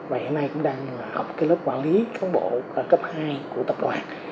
và hiện nay cũng đang học cái lớp quản lý cán bộ cấp hai của tập đoàn